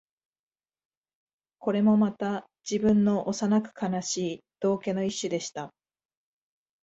これもまた、自分の幼く悲しい道化の一種でした